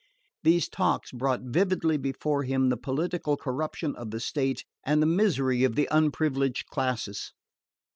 These talks brought vividly before him the political corruption of the state and the misery of the unprivileged classes.